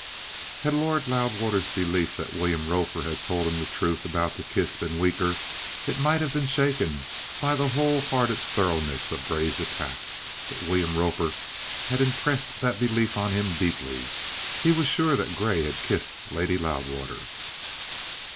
Had Lord Loudwater's belief that William Roper had told him the truth about the kiss been weaker, it might have been shaken by the whole hearted thoroughness of Grey's attack. But William Roper had impressed that belief on him deeply. He was sure that Grey had kissed Lady Loudwater.